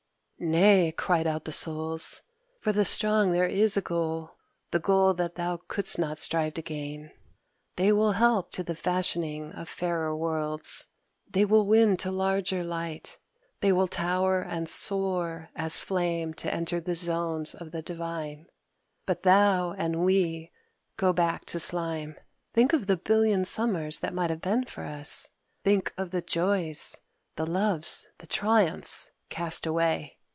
"Nay!" cried out the Souls; "for the strong there is a goal, the goal that thou couldst not strive to gain. They will help to the fashioning of fairer worlds; they will win to larger light; they will tower and soar as flame to enter the Zones of the Divine. But thou and we go back to slime! Think of the billion summers that might have been for us! think of the joys, the loves, the triumphs cast away!